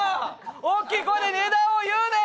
大きい声で値段言うねん！